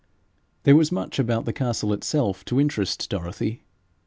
There was much about the castle itself to interest Dorothy.